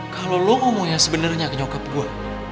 kalau lo ngomong kayak sebenernya kayak nyokap gue